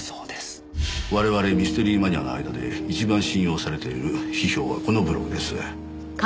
我々ミステリーマニアの間で一番信用されている批評はこのブログです。